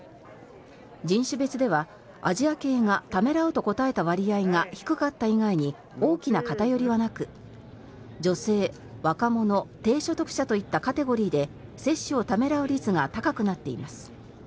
人種別ではアジア系がためらうと答えた割合が低かった以外に大きな偏りはなく女性、若者、低所得者といったカテゴリーで接種をためらう率が高くなっています。